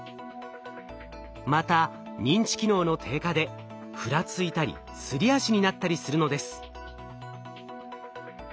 また認知機能の低下でふらついたりすり足になったりするのです。